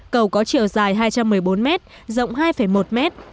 cầu có chiều dài hai trăm một mươi bốn mét rộng hai một mét